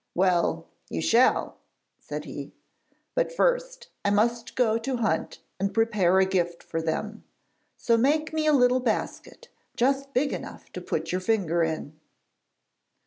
'Well, you shall,' said he; 'but first I must go to hunt and prepare a gift for them. So make me a little basket, just big enough to put your finger in.'